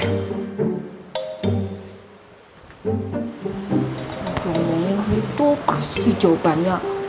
ngomongin aku itu pasti jawabannya